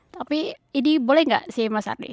tapi ini boleh nggak sih mas ardi